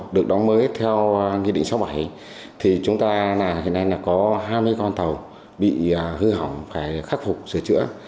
được đóng mới theo quy định sáu bảy thì chúng ta hiện nay có hai mươi con tàu bị hư hỏng phải khắc phục sửa chữa